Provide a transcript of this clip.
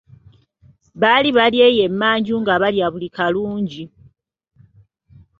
Baali bali eyo e manju nga balya buli kalungi.